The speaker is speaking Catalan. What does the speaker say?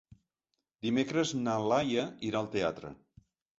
Dimecres na Laia irà al teatre.